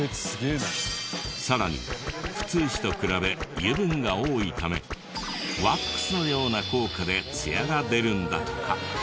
さらに普通紙と比べ油分が多いためワックスのような効果でツヤが出るんだとか。